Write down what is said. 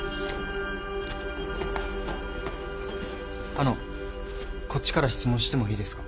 あのこっちから質問してもいいですか？